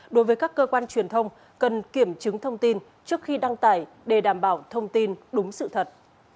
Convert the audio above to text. đối với các cơ quan truyền thông cần kiểm chứng thông tin trước khi đăng tải để đảm bảo thông tin đúng sự thật